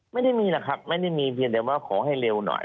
ไม่ได้มีหรอกครับไม่ได้มีเพียงแต่ว่าขอให้เร็วหน่อย